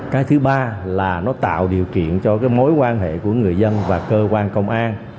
cái thứ ba là nó tạo điều kiện cho cái mối quan hệ của người dân và cơ quan công an